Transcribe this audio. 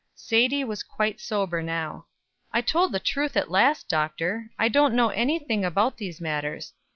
Sadie was quite sober now. "I told the truth at last, Doctor. I don't know any thing about these matters.